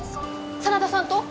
真田さんと？